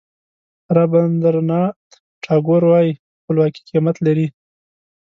رابندراناټ ټاګور وایي خپلواکي قیمت لري.